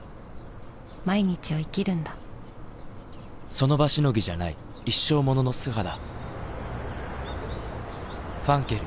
その場しのぎじゃない一生ものの素肌磧ファンケル」